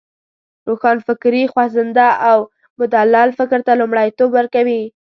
روښانفکري خوځنده او مدلل فکر ته لومړیتوب ورکوی.